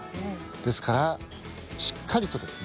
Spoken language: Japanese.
ですからしっかりとですね